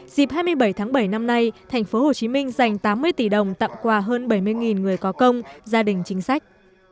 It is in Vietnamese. dịp hai mươi bảy tháng bảy năm nay tp hcm dành tám mươi tỷ đồng tặng quà hơn bảy mươi người có công gia đình chính sách